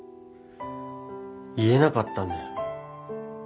言えなかったんだよ。